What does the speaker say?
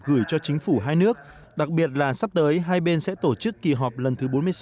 gửi cho chính phủ hai nước đặc biệt là sắp tới hai bên sẽ tổ chức kỳ họp lần thứ bốn mươi sáu